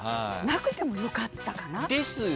なくてもよかったのか。